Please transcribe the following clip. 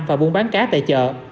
và buôn bán cá tại chợ